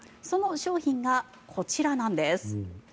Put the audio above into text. その商品がこちらなんです。